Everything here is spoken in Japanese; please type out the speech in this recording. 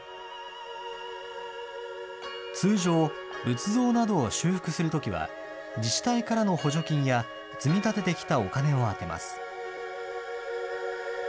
通常、仏像などを修復するときは、自治体からの補助金や、積み立ててきたお金を充てます。